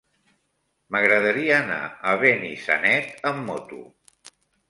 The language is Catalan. M'agradaria anar a Benissanet amb moto.